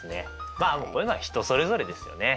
まあこういうのは人それぞれですよね。